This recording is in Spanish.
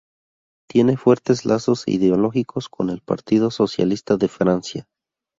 Tiene fuertes lazos ideológicos con el Partido Socialista de Francia.